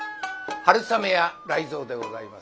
春雨や雷蔵でございます。